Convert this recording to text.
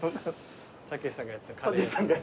たけしさんがやってたカレー屋。